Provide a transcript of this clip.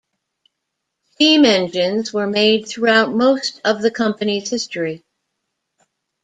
Steam engines were made throughout most the company's history.